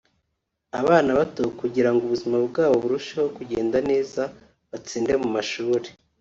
abana bato kugira ngo ubuzima bwabo burusheho kugenda neza batsinde mu mashuri